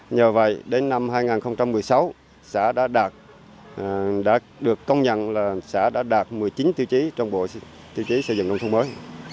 nhờ vậy đến năm hai nghìn một mươi sáu xã đã đạt một mươi chín tiêu chí trong bộ tiêu chí xây dựng nông thông mới